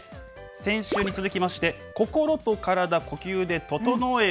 先週に続きまして、心と体、呼吸で整える。